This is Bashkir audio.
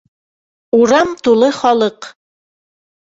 Урам тулы халыҡ.